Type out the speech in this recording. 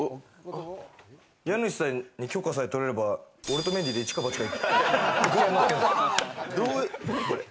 家主さんに許可さえ取れれば、俺とメンディーでイチかバチか。